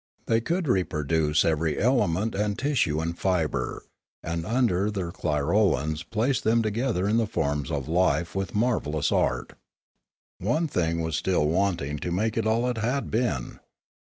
They could reproduce every ele 334 Limanora meut and tissue and fibre, and under their clirolans place them together in the forms of life with marvel lous art. One thing was still wanting to make it all it had been.